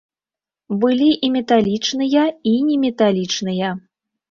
Былі і металічныя, і неметалічныя.